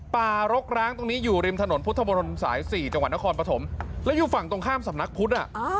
รกร้างตรงนี้อยู่ริมถนนพุทธมนตร์สาย๔จังหวัดนครปฐมแล้วอยู่ฝั่งตรงข้ามสำนักพุทธ